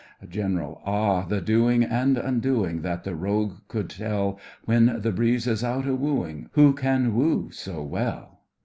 GENERAL: Ah! the doing and undoing, That the rogue could tell! When the breeze is out a wooing, Who can woo so well?